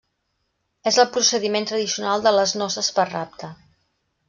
És el procediment tradicional de les noces per rapte.